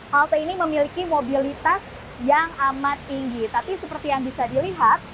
halte ini memiliki mobilitas yang amat tinggi tapi seperti yang bisa dilihat